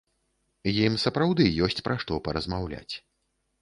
Ім сапраўды ёсць пра што паразмаўляць.